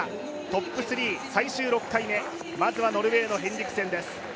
トップ３、最終６回目、まずはノルウェーのヘンリクセンです。